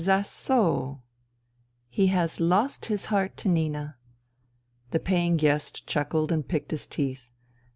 . Iz zas so ... zzz ...?*'" Has lost his heart to Nina." The paying guest chuckled and picked his teeth.